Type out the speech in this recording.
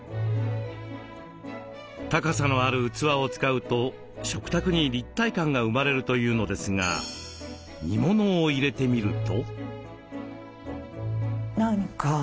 高さのある器を使うと食卓に立体感が生まれるというのですが煮物を入れてみると。